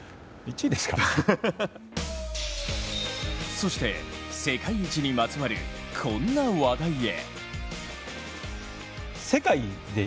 そして世界一にまつわるこんな話題へ。